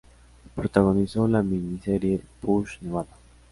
Protagonizó la miniserie "Push, Nevada".